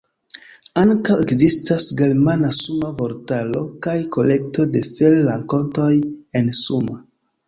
Ankaŭ ekzistas germana-Suma vortaro kaj kolekto de fe-rakontoj en Suma.